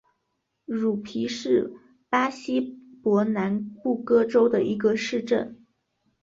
茹皮是巴西伯南布哥州的一个市镇。